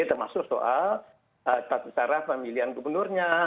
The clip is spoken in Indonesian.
termasuk soal tatusara pemilihan gubernurnya